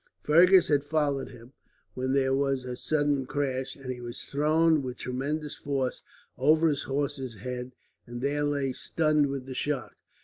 Fergus had followed him, when there was a sudden crash, and he was thrown with tremendous force over his horse's head, and there lay stunned with the shock.